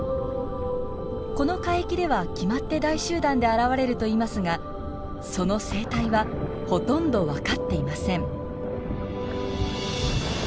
この海域では決まって大集団で現れるといいますがその生態はほとんど分かっていません。